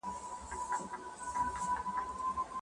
ايا هغه تېره شپه ډېره مطالعه وکړه؟